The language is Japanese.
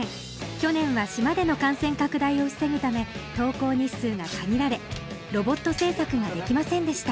去年は島での感染拡大を防ぐため登校日数が限られロボット製作ができませんでした